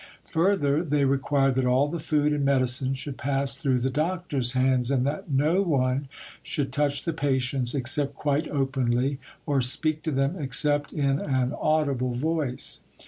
Further, they required that all the food and medicine should pass through the doctors' hands, and that no one, should touch the patients except quite openly, or speak to them except in an audible voice.